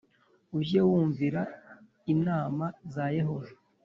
Ujye wumvira inama za Yehova